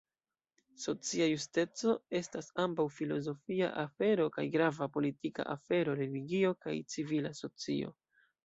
Socia justeco estas ambaŭ filozofia afero kaj grava politika afero, religio, kaj civila socio.